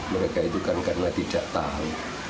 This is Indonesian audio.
mereka itu kan karena tidak tahu